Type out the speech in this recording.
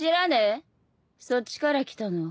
そっちから来たの。